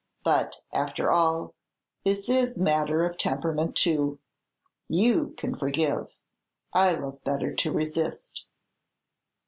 But, after all, this is matter of temperament too. You can forgive, I love better to resist."